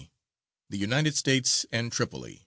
THE UNITED STATES AND TRIPOLI.